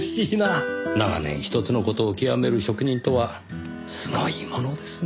長年ひとつの事を極める職人とはすごいものですねぇ。